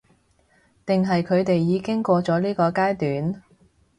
定係佢哋已經過咗呢個階段？